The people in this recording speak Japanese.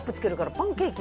パンケーキ